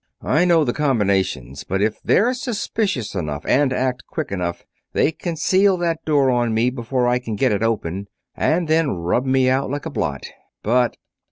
"I know the combinations, but if they're suspicious enough and act quick enough they can seal that door on me before I can get it open, and then rub me out like a blot; but